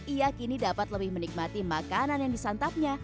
ia kini dapat lebih menikmati makanan yang disantapnya